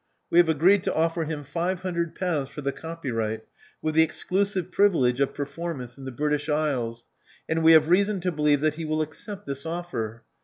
We have agreed to offer him five hundred pounds for the copyright, with the exclusive privilege of performance in the British Isles ; and we have reason to believe that he will accept this offer.